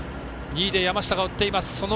２位で山下が追っています。